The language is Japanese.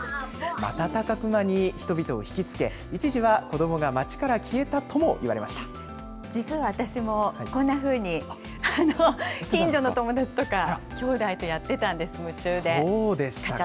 瞬く間に人々を引き付け、一時は子どもが街から消えたともいわれ実は私もこんなふうに近所の友だちとか、きょうだいとやってたんです、夢中で。